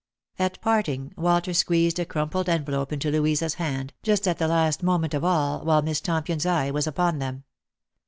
At parting, Walter squeezed a crumpled envelope into Louisa's hand, just at the last moment of all, while Miss Tompion's eye was upon them.